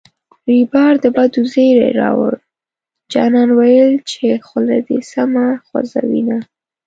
ریبار د بدو زېری راووړـــ جانان ویل چې خوله دې سمه خوزوینه